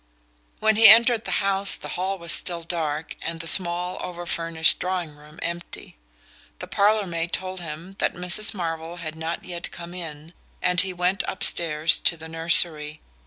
When he entered the house the hall was still dark and the small over furnished drawing room empty. The parlour maid told him that Mrs. Marvell had not yet come in, and he went upstairs to the nursery.